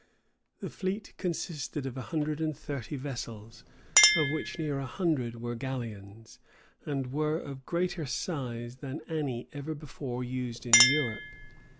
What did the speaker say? The fleet consisted of a hundred and thirty vessels, of which near a hundred were galleons, and were of greater size than any ever before used in Europe.